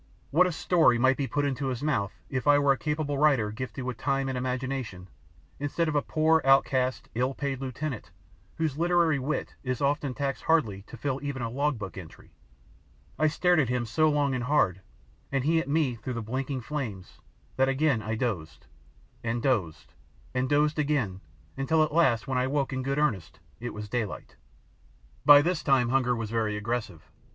What a story might be put into his mouth if I were a capable writer gifted with time and imagination instead of a poor outcast, ill paid lieutenant whose literary wit is often taxed hardly to fill even a log book entry! I stared at him so long and hard, and he at me through the blinking flames, that again I dozed and dozed and dozed again until at last when I woke in good earnest it was daylight. By this time hunger was very aggressive.